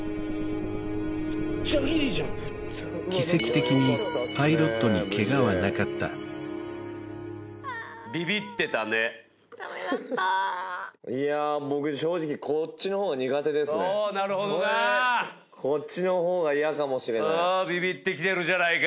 めっちゃギリじゃん奇跡的にパイロットにケガはなかったダメだったおおなるほどなこっちの方がイヤかもしれないビビってきてるじゃないか